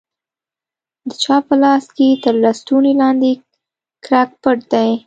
د چا په لاس کښې تر لستوڼي لاندې کرک پټ دى.